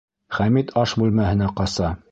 Хәмит аш бүлмәһенә ҡаса.